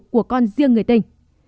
của con riêng người tình